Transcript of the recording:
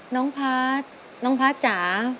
น้องภาษณ์น้องภาษณ์จ้า